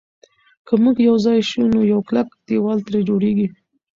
که موږ یو ځای شو نو یو کلک دېوال ترې جوړېږي.